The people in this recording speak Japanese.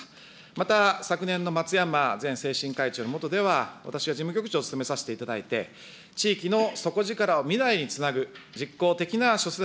また、昨年のまつやま前政審会長の下では、私は事務局長を務めさせていただいて、地域の底力を未来につなぐ、実効的な諸施策